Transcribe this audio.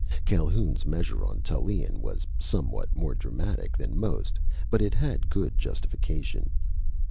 Calhoun's measure on Tallien was somewhat more dramatic than most, but it had good justification.